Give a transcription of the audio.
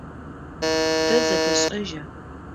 Тэ зэтэшӏэжьа?